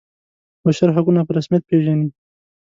بشر حقونه په رسمیت پيژني.